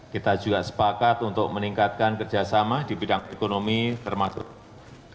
kita juga sepakat untuk meningkatkan kerjasama di bidang ekonomi termasuk